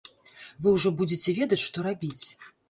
Вы ўжо будзеце ведаць, што рабіць.